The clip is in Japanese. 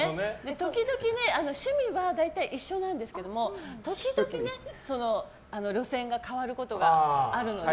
趣味は大体一緒なんですけど時々路線が変わることがあるので。